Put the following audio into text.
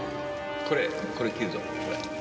これこれ切るぞこれ。